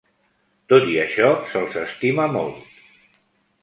Tot i això, se'ls estima molt.